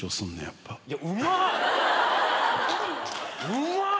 うまっ！